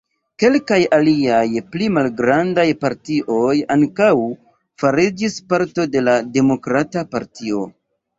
Kelkaj aliaj pli malgrandaj partioj ankaŭ fariĝis parto de la Demokrata Partio.